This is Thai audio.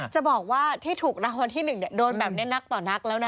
จะบอกว่าที่ถูกรางวัลที่๑โดนแบบนี้นักต่อนักแล้วนะ